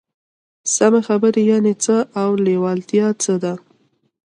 سمې خبرې يانې څه او لېوالتيا څه ده؟